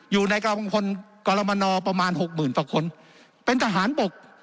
อยู่ในกรมนกรมนประมาณหกหมื่นคนเป็นทหารปก